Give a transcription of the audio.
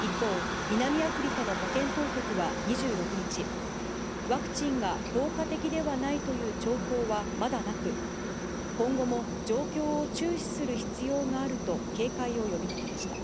一方、南アフリカの保健当局は２６日、ワクチンが効果的ではないという兆候はまだなく、今後も状況を注視する必要があると警戒を呼びかけました。